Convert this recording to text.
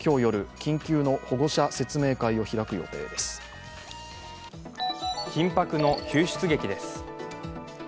緊迫の救出劇です。